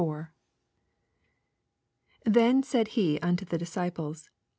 1—4, t Then said he nnto the disciples.